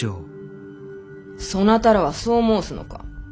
そなたらはそう申すのか。